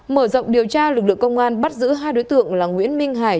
mở rộng điều tra lực lượng công an bắt giữ hai đối tượng là nguyễn minh hải